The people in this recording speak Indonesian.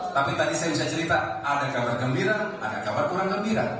tapi tadi saya bisa cerita ada kabar gembira ada kabar kurang gembira